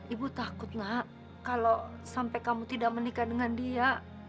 ibu takut gak kalau sampai kamu tidak menikah dengan dia